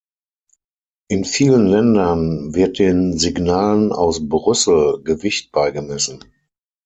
In vielen Ländern wird den Signalen aus "Brüssel" Gewicht beigemessen.